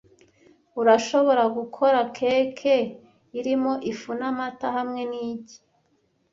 Urashobora gukora cake irimo ifu n'amata hamwe n'igi.